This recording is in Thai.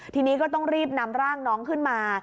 ทีนี้ก็ต้องรีบนำร่างน้องขึ้นมา